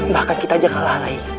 bahkan kita saja kalah rai